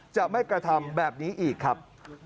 จะไม่กระทำแบบนี้อีกครับ